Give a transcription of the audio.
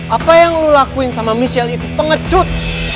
apa yang lu lakuin sama michelle itu pengecut